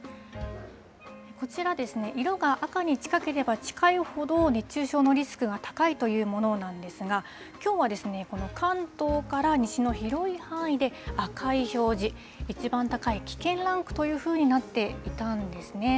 こちら、色が赤に近ければ近いほど、熱中症のリスクが高いというものなんですが、きょうは、関東から西の広い範囲で赤い表示、一番高い危険ランクというふうになっていたんですね。